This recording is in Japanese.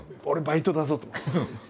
俺バイトだぞと。